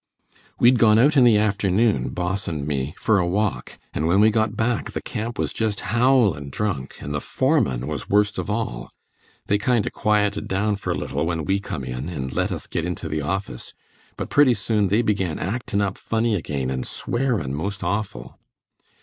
"We'd gone out in the afternoon, Boss and me, for a walk, and when we got back the camp was just howlin' drunk, and the foreman was worst of all. They kind o' quieted down for a little when we come in and let us get into the office, but pretty soon they began actin' up funny again and swearin' most awful.